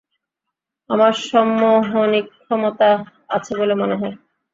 আমার সম্মোহনীক্ষমতা আছে বলে মনে হয়?